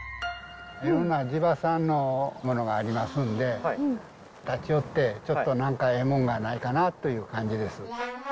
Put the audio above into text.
いろんな地場産のものがありますんで、立ち寄って、ちょっとなんかええもんがないかなという感じです。